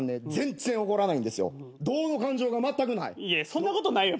そんなことないよ